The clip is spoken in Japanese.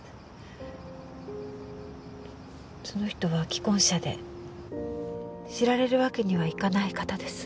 その人は既婚者で知られるわけにはいかない方です。